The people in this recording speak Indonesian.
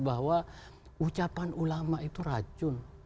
bahwa ucapan ulama itu racun